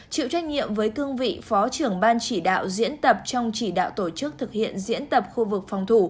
chịu trách nhiệm với cương vị phó trưởng ban chỉ đạo diễn tập trong chỉ đạo tổ chức thực hiện diễn tập khu vực phòng thủ